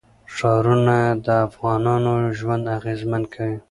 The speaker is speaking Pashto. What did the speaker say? ښارونه د افغانانو ژوند اغېزمن کوي.